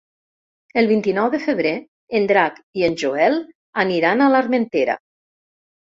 El vint-i-nou de febrer en Drac i en Joel aniran a l'Armentera.